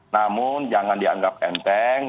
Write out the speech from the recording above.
namun jangan dianggap enteng